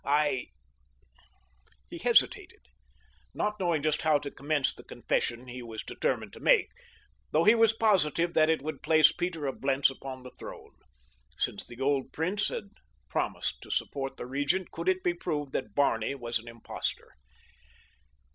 I—" He hesitated, not knowing just how to commence the confession he was determined to make, though he was positive that it would place Peter of Blentz upon the throne, since the old prince had promised to support the Regent could it be proved that Barney was an impostor.